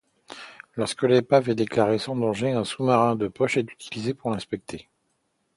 Lorsque l’épave est déclarée sans danger, un sous-marin de poche est utilisé pour l’inspecter.